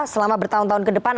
selama bertahun tahun kedepan